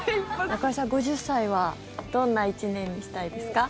中居さん、５０歳はどんな１年にしたいですか？